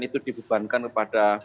itu dibibankan kepada